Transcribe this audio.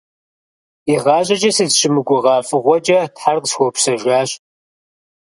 ИгъащӀэкӀэ сызыщымыгугъа фӀыгъуэкӀэ Тхьэр къысхуэупсэжащ.